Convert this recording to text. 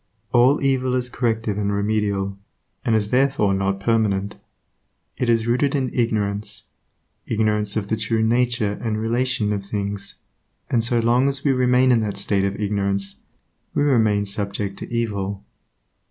All evil is corrective and remedial, and is therefore not permanent. It is rooted in ignorance, ignorance of the true nature and relation of things, and so long as we remain in that state of ignorance, we remain subject to evil.